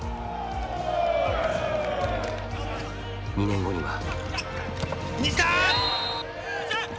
２年後には。